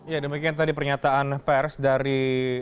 ya demikian tadi pernyataan pers dari